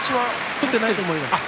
取っていないと思います。